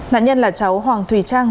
nạn nhân là cháu hoàng thùy trang